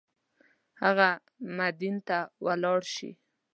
هغه مدین ته ولاړ شي.